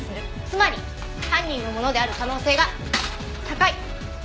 つまり犯人のものである可能性が高い。